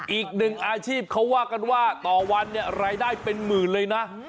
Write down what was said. อีกหนึ่งอาชีพเขาว่ากันว่าต่อวันเนี่ยรายได้เป็นหมื่นเลยนะ